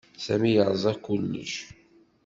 Sami yerẓa kullec.